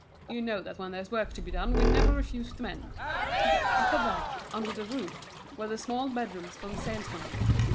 "You know that when there's work to be done we never refuse the men." Up above, under the roof, were the small bedrooms for the saleswomen.